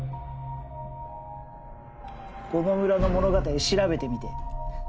この村の物語調べてみて。